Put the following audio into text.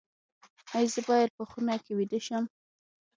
ایا زه باید په خونه کې ویده شم؟